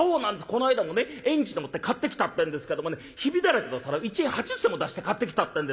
この間もね縁日でもって買ってきたってんですけどもねヒビだらけの皿を１円８０銭も出して買ってきたってんですよ。